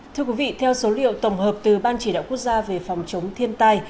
thưa quý vị theo số liệu tổng hợp từ ban chỉ đạo quốc gia về phòng chống thiên tai